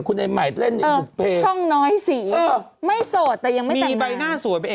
อยู่ในวงการไม่ต่ำกว่า๑๐ปี